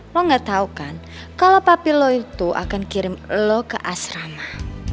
lo gak tau kan kalau papi lo itu akan kirim lo ke asrama